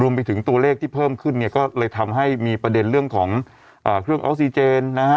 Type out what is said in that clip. ไปถึงตัวเลขที่เพิ่มขึ้นเนี่ยก็เลยทำให้มีประเด็นเรื่องของเครื่องออกซิเจนนะฮะ